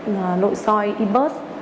nội soi e birth